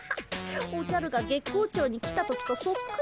おじゃるが月光町に来た時とそっくり。